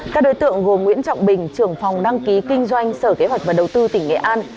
các đối tượng gồm nguyễn trọng bình trưởng phòng đăng ký kinh doanh sở kế hoạch và đầu tư tỉnh nghệ an